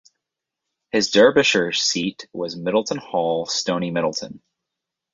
His Derbyshire seat was Middleton Hall, Stoney Middleton.